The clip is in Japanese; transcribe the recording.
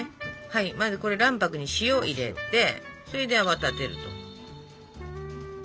まず卵白に塩を入れてそれで泡立てると。